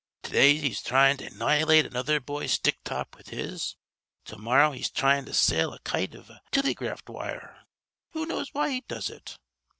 To day he's thryin' to annihilate another boy's stick top with his; to morrow he's thrying to sail a kite out iv a tillygraft wire. Who knows why he does it?